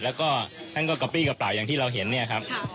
แล้วก็ท่านก็กระปี้กระเป๋าอย่างที่เราเห็นเนี่ยครับ